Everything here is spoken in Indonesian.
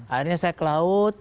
akhirnya saya ke laut